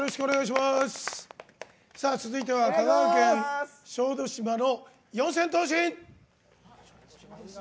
続いては香川県小豆島の四千頭身。